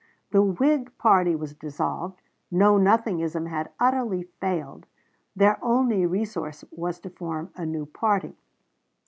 The Whig party was dissolved; Know Nothingism had utterly failed their only resource was to form a new party.